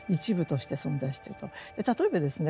例えばですね